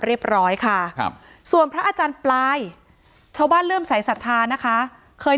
เรียบร้อยค่ะครับส่วนพระอาจารย์ปลายชาวบ้านเริ่มสายศรัทธานะคะเคย